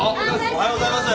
おはようございます。